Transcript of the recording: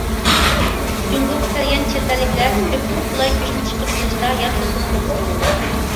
جۇڭگوغا كەلگەن چەت ئەللىكلەر كۆپ خىل قولاي كۆچمە چىقىم قىلىشتا يان تېلېفونى بولسا بولىدۇ.